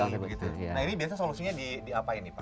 nah ini biasa solusinya diapain pak